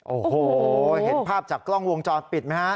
โอ้โหเห็นภาพจากกล้องวงจรปิดไหมฮะ